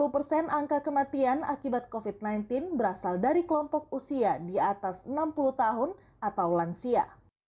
dua puluh persen angka kematian akibat covid sembilan belas berasal dari kelompok usia di atas enam puluh tahun atau lansia